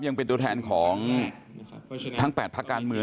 ยังเป็นตัวแทนของทั้ง๘พักการเมือง